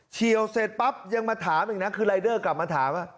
เชี่ยวเสร็จปั๊บยังมาถามอีกนะคือรายเดอร์กลับมาถาม